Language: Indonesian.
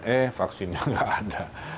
eh vaksinnya nggak ada